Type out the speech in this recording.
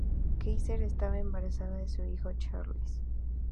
Kaiser estaba embarazada de su hijo Charles.